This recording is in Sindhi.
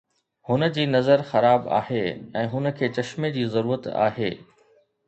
هن جي نظر خراب آهي ۽ هن کي چشمي جي ضرورت آهي